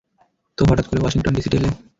তো, হঠাত করে ওয়াশিংটন ডিসিতে এলে?